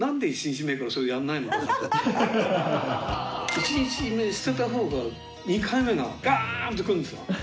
１日目捨てたほうが２回目がガーンとくるんですよ。